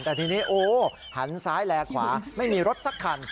แต่ทีนี้โอ้หันซ้ายแลขวาไม่มีรถสักคัน